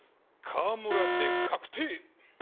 川村で確定！